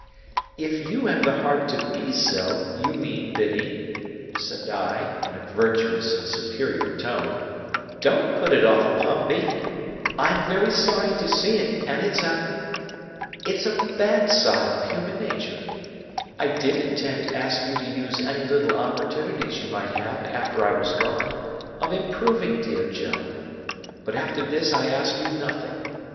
"If you have the heart to be so, you mean, Biddy," said I, in a virtuous and superior tone; "don't put it off upon me. I am very sorry to see it, and it's a—it's a bad side of human nature. I did intend to ask you to use any little opportunities you might have after I was gone, of improving dear Joe. But after this I ask you nothing.